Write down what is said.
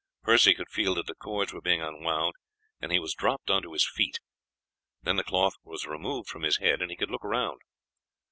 Percy could feel that the cords were being unwound, and he was dropped on to his feet; then the cloth was removed from his head, and he could look around.